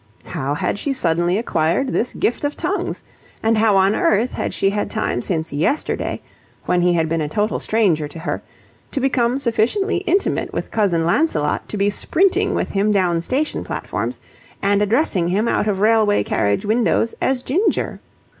How had she suddenly acquired this gift of tongues? And how on earth had she had time since yesterday, when he had been a total stranger to her, to become sufficiently intimate with Cousin Lancelot to be sprinting with him down station platforms and addressing him out of railway carriage windows as Ginger?